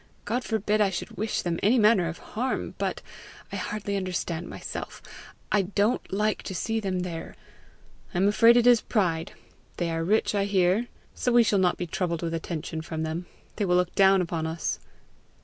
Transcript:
God forbid I should wish them any manner of harm! but I hardly understand myself I don't like to see them there. I am afraid it is pride. They are rich, I hear, so we shall not be troubled with attention from them; they will look down upon us."